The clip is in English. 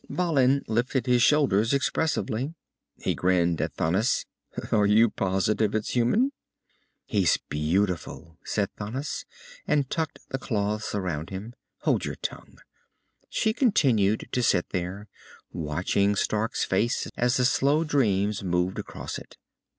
Balin lifted his shoulders expressively. He grinned at Thanis. "Are you positive it's human?" "He's beautiful," said Thanis, and tucked the cloths around him. "Hold your tongue." She continued to sit there, watching Stark's face as the slow dreams moved across it.